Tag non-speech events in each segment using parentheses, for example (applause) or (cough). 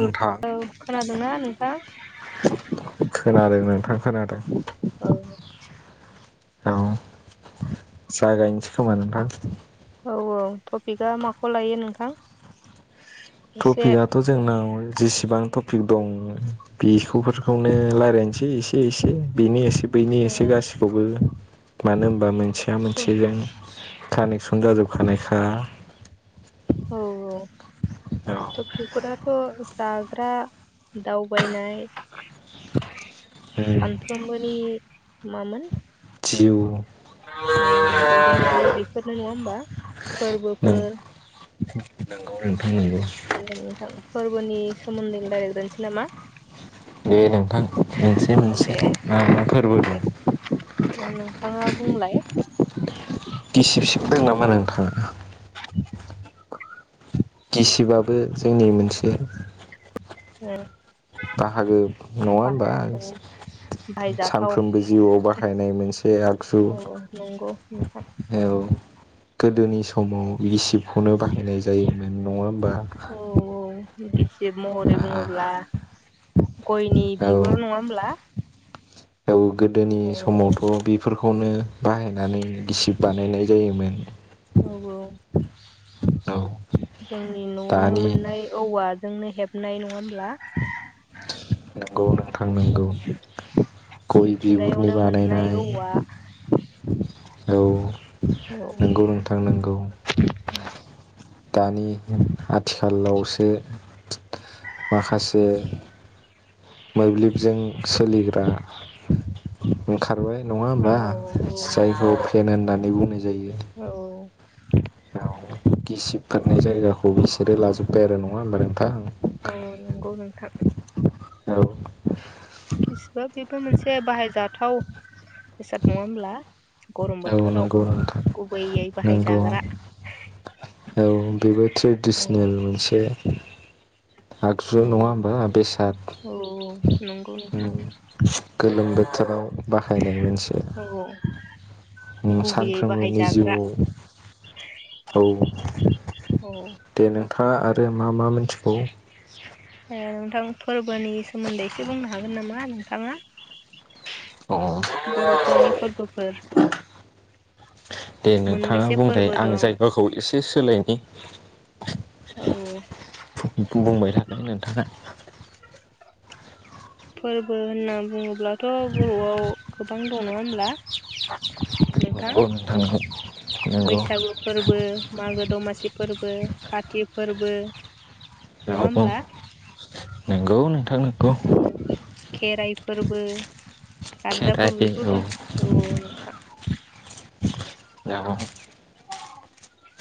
नोंथां औ खोनादोंना नोंथां? आं खोनादों (inaudible) औ जागायनिसै खोमा नोंथां। औ औ टपिकआ माखौ लायो नोंथां एसे टफिगाथ' जोंनाव जिसिबां टपिक दं बिखौफोरखौनो लायरायनोसै एसे एसे बेनि एसे बैनि औ एसे गासिखौबो मानो होमबा मोन मोनथिया मोनथिगोन कानेक्सन जाजोबखानायखा औ औ औ तफिकफोरा थ जाग्रा दावबायनाय सानफ्रोमबोनि मामोन जिउ उम दोरोङारि बेफोरनो नङा होमबा? नंगौ फोरबोफोर नोंथां नोंगो दे नोंथां फोरबोनि सोमोन्दै रायलायग्रोनिसै नामा दे नोंथां मोनसे मोनसे मा मा फोरबो दं ओ नोंथाङा बुंलाय गिसिब सिबदों नामा बर' नोंथां गिसिबाबो जोंनि मोनसे ओ बाहागो नङा होमबा बाहायजाथाव सानफ्रोमबो जिउआव बाहायनाय मोनसे आगजु औ नंगौ नोंथां औ गोदोनि समाव रिसिबखोनो बाहायनाय जायोमोन नङा बा (unintelligible) इसे महरै बुङोब्ला गयनि औ बिगुर नङा होमब्ला? दउ (unintelligible) गोदोनि ओ समावथ' बेफोरखौ खौनो बाहायनानै गिसिब बानायनाय जायोमोन औ औ औ जोंनि न'आवनो दानि मोननाय औवाजोंनो हेब हनाय नङा होमब्ला (unintelligible) नोंगौ नोंथां नोंगौ औ गय बिहुरनि मिथिंगायावनो मोननाय बानायनाय औवा औ औ नोंगौ नोंथां नोंगौ। दानि आद आथिखालावसो माखासे मोब्लिबजों सोलिग्रा ओंखा बेफोरहाय नङा औ होमबा जायखौ फेन होन नानै बुंनाय जायो औ गिसिबफोरनि जायगाखौ बिसोरो लाजोब्बाय आरो नङा होमबा नोंथां उम नंगौ नोंथां औ गिसिबा बेबो मोनसे बाहायजाथाव बेसाद नङा होमब्ला गरम औ बोथो राव नंगौ नोंथां गुबैयै बाहाय नंगौ जाग्रा बेबो ट्रेडिसनेल मोनसे आगजु औ नङा होमबा बेसाद औ नंगौ नोंथां गोलोम उम बोथोराव बाहायनाय मोनसे औ गुबैयै सानफ्रोमबोनि बाहायजाग्रा जिउआव औ। औ था आरो मा मा मिथिगौ? ओ नोंथां फोरबोनि सोमोन्दै एसे बुंनो हागोन नामा आं थाङा? अ बर'फोरनि फोरबोफोर दे नोंथाङा मोनबेसे बुंलाय फोरबो आं दं जायगाखौ इसे सोलायनि। औ बुंबाय थानाय नोंथाङा फोरबो होनना बुङोब्लाथ' बर'आव गोबां दं नङा होमब्ला नंगौ नोंथां नंगौ बैसागु फोरबो मागो दमासि फोरबो खाथि फोरबो नङा होमब्ला नंगौ नोंथां नोंगौ औ खेराइ फोरबो गारजा फोरबो बेखौथ औ न आ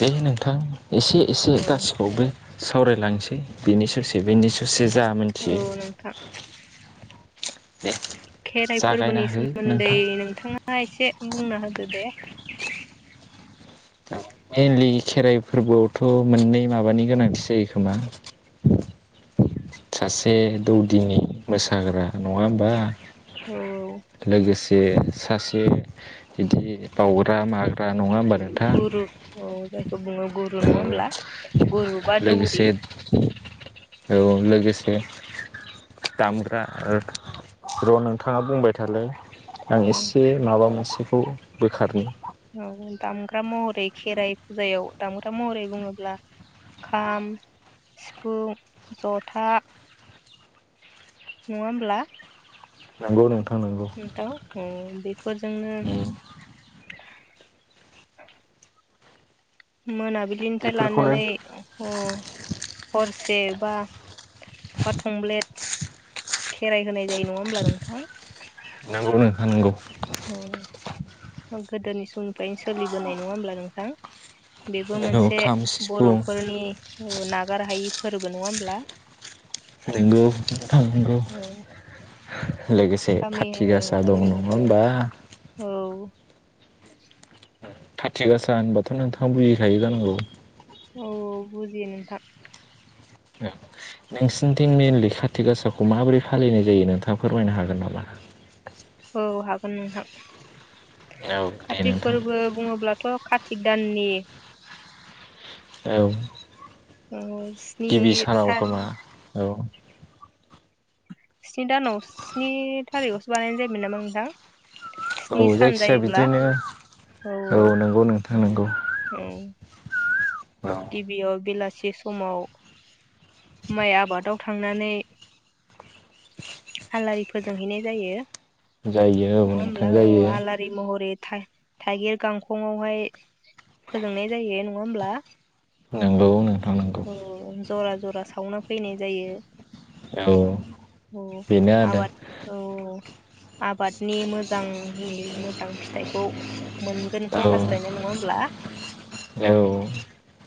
दे नोंथां एसे औ एसे गासिबखौबो सावरायलांसै बेनि ससे बेनि ससे जा औ मोनथियो नोंथां दे खेराइ जागायना फोरबोनि हो सोमोन्दै नोंथां नोंथाङा एसे बुंना होदो दे मेनलि खेराइ फोरबोआवथ' मोननै माबानि गोनांथि जायो खोमा सासे दौदिनि मोसाग्रा नङा होमबा औ लोगोसे सासे बिदि बावउग्रा माग्रा ग्रा नङा होनोमबा नोंथां गुरु औ जायखौ बुङो गुरु औ नङा होमब्ला गुरु बा दौरि लोगोसे औ लोगोसे दामग्रा र' नोंथाङा बुंबाय थालाय आं औ एसे माबा मोनसेखौ बोखारनि औ दामग्रा महरै खेराइ फुजायाव दामग्रा महरै बुङोब्ला खाम सिफुं जथा नङा होमब्ला नांगौ नोंथां नंगौ दाउ उम बेफोरजोंनो मोना ब्लिनिफ्राय बेफोरखौनो लानानै ओम हरसे बा अखा थंब्लेट खेराइ होनाय जायो नङा होमब्ला नोंथां नंगौ नोंथां नंगौ गोदोनि समाव स्कुलनिफ्रायनो सोलिबोनाय नङा होमब्ला नोंथां बेबो नंगौ मोनसे खाम सिफुं बर'फोरनि न नागार हायि फोरबो नङा होमब्ला? नंगौ नोंथांनंगौ औ आरो (unintelligible) लोगोसे गामि खाथि औ गासा दं नङा होमबा? आ औ खाथि गासा होनबाथ नोंथाङा बुजिखायो जानांगौ औ बुजियो नोंथां नोंसिनिथिं मेनलि खाथि गासाखौ माबोरै फालिनाय जायो नोंथाङा फोरमायनो हागोन नामा? औ हागोन नोंथां औ दे काति नोंथां फोरबो बुङोब्लाथ कार्तिक दाननि औ औ गिबि सानाव खोमा औ स्नि दानाव स्नि थारिखआवसो बानायनाय जायोमोन नामा नोंथां? औ स्नि सान जायखिया जायोब्ला बिदिनो औ नंगौ नोंथां नंगौ औ औ गिबियाव बिलासि से समाव माइ आबादाव थांनानै आलारि फोजोंहैनाय जायो। जायो औ नोंथां जायो। थाइ थाइगिर गांखंआवहाय फोजोंनाय जायो नङा होमब्ला? नोंगौ नोंथां। नंगौ जरा जरा सावना फैनाय जायो। औ औ बेनो आबाद आरो औ आबादनि मोजांनि मोजां मोजां फिथाइखौ मोनगोनखौ औ हास्थायनाय नङा होमब्ला औ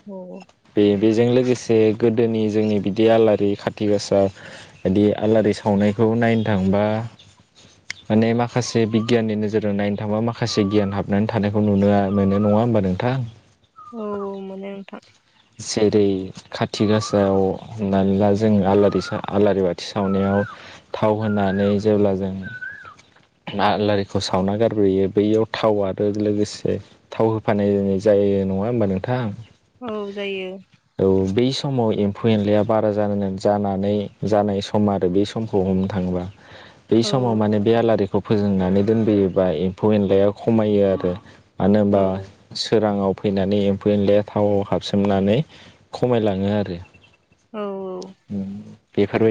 औ बे बेजों लोगोसे गोदोनि जोंनि बिदि आलारि खाथि गासा बिदि आलारि सावनायखौ नायनो थांबा माने माखासे बिगियाननि नोजोरजों नायनो थांबा माखासे गियान हाबनानै थानायखौ नुनो मोनो नङा होमबा नोंथां औ औ मोनो नोंथां। जेरै खाथि गासायाव हमनानै ला जों आलारि आलारि बाथि सावनायाव थाव होनानै जेब्ला जों आलारिखौ सावना गारबोयो बैयाव थाव आरो लोगोसे थाव होफानाय जा जायो नङा होमबा नोंथां औ जायो। औ बै समाव एम्फौ एनलाया बारा जानानै जानाय सम आरो बे समखौ हमनो थाङोबा बै औ समाव माने बे आलारि खौ फोजोंनानै दोनबोयोबा एम्फौ एनलाया खमायो आरो मानो औ होनबा सोराङाव फैनानै एम्फौ एनलाया थाव हाबो सोमनानै खमायलाङो आरो औ उम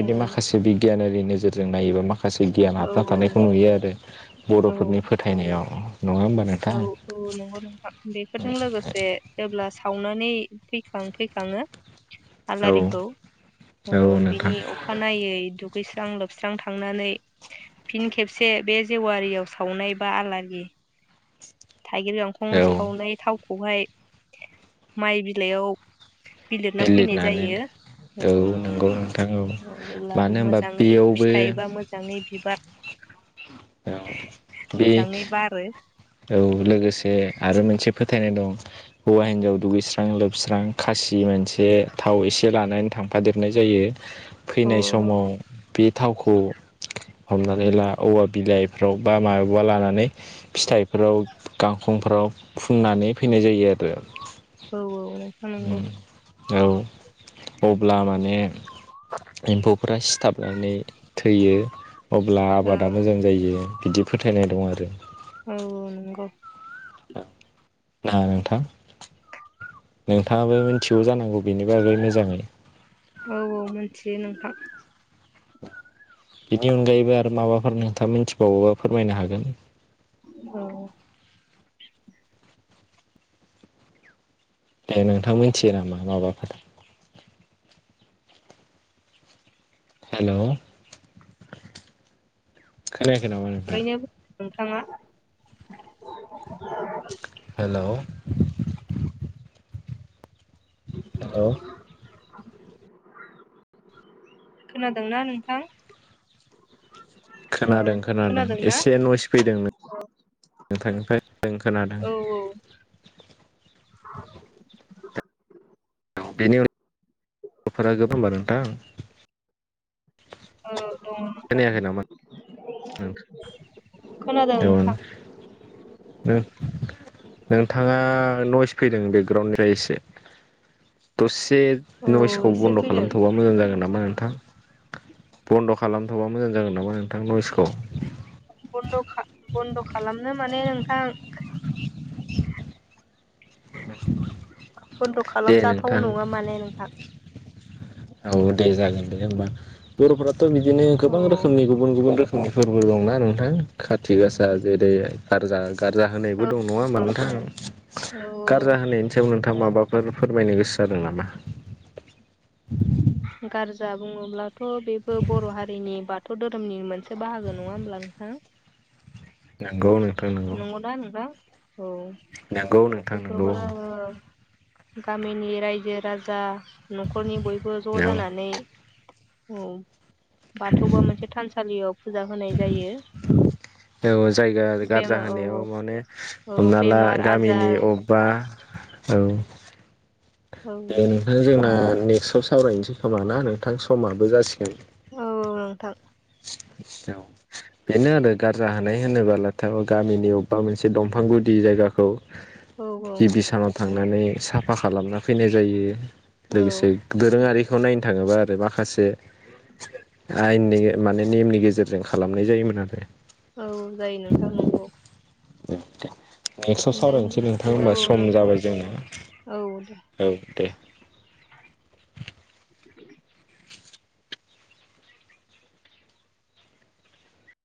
औ माखासे बिगियानारि नोजोरजों नायोबा माखासे गियान औ हाबना थानायखौ नुयो आरो औ बर'फोरनि फोथायनायाव। नङा होमबा औ नोंथां औ नंगौ नोंथां बेफोरजों लोगोसे जेब्ला सावनानै फैखां फैखाङो औ आलारिखौ नोंथां बिनि अखानायै दखु दुगैस्रां लोबस्रां थांनानै फिन खेबसे बे जेवारियाव सावनाय बा आलारि थाइगिर गांखं औ सावनाय थाव खौहाय माइ बिलाइयाव बिलिरना फैनाय बिलिरनानै जायो औ नंगौ नोंथां औ जेब्ला मानो होनबा मोजाङै बेयावबो फिथाइबा मोजाङै बिबार बे मोजाङै बारो औ लोगोसे आरो मोनसे फोथायनाय दं हौवा हिनजाव दुगैस्रां लोबस्रां खासि मोनसे थाव एसे लानानै थांफादेरनाय जायो। औ फैनाय समाव बे थावखौ हमनानै ला औवा बिलाइफ्राव बा माबा औवा लानानै फिथाइ फोराव गांखंफोराव फुननानै फैनाय जायो आरो। औ औ नंनायावथनंगौ अब्ला माने एम्फौफोरा सिथाबनानै थैयो अब्ला औ आबादा मोजां जायो बिदि फोथायनाय दं आरो। औ औ नंगौ। ना नोंथां नोंथाङाबो मिथिगौ जानांगौ बेनि बागै मोजाङै औ औ मोनथियो नोंथां बिनि अनगायैबो आरो माबाफोर नोंथाङा मिथिबावोबा फोरमायनो हागोन। औ दे नोंथां मिथियो नामा माबाफोर? हेलौ खोनायाखै नामा नोंथां थारैनो नोंथाङा हेलौ हेलौ खोनादोंना नोंथां? औ खोनादों खोनादों खोनादोंना एसे नयस फैदों नों नोंथांनिफ्राय ओं खोनादों। औ बेनि उनाव गथ'फोरा गोबांबार नोंथां ओ दङ खोनायाखै नामा नोंथां खोनादों औ ओ नोंथां नोंथाङा नयस फैदों बेउग्राउन्डनिफ्राय एसे दस बे औ नयसखौ एसे बन्द' फैदों खालामथ'बा मोजां जागोन नामा नोंथां बन्द' खालामथ'बा मोजां जागोन नामा नोंथां नइसखौ बन्द' खा खालामनो माने नोंथां बन्द' दे खालामजाथाव नोंथां नङा माने नोंथां औ दे जागोन दे होमबा बर'फ्रा बिदिनो औ गोबां रोखोमनि गुबुन गुबुन रोखोम खोमनिफोरबो दंना नोंथां खाारथि गासा जेरै गारजा गारजा होनायबो दं नङा होनबा नोंथां औ औ गारजा होनायनि सायाव नोंथां माबा फोर फोरमायनो गोसो जादों नामा (inaudible) गारजा बुङोब्लाथ' बेबो बर' हारिनि बाथौ धोरोमनि मोनसे बाहागो नङा होमब्ला नोंथां नंगौ नोंथां नंगौ नंगौना नोंथां औ नंगौ नोंथां नंगौ बेफोरखौनो औ आङो गामिनि रायजो राजा न'खरनि बयबो ज' जानानै औ बाथौआ मोनसे थानसालि सालियाव फुजा होनाय जायो औ जायगा गारजा बेमार औ होनायाव औ माने औ हमना ला बेमार गामिनि आजार अबेबा औ औ बेनिफाय जोंना नेक्स्टआव सावरायनोसै खोमाना नोंथां समाबो जासिगोन औ नोंथां बेनो आरो गारजा होनाय होनोबोलाथाय गामिनि अबेबा मोनसे दंफां गुदि जायगाखौ औ औ गिबि सानाव थांनानै साफा खालामना फैनाय जायो औ लोगोसे दोरोङारि बेखौ नायनो थाङोबा आरो माखासे आयेननि माने नेमनि गेजेरजों खालामनाय जायोमोन आरो औ जायो नोंथां नंगौ ओं दे नेक्स्टआव दे सावरायनोसै नोंथां होनबा औ सम नोंथां जाबाय औ दे जोंनो औ दे